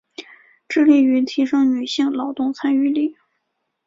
致力於提升女性劳动参与率